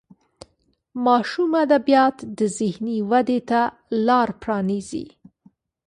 ماشوم ادبیات د ذهني ودې ته لار پرانیزي.